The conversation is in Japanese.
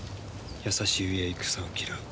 優しいゆえ戦を嫌う。